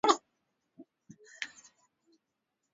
Kikosi cha polisi wenye hadhi ya kijeshi na baadae polisi wa kawaida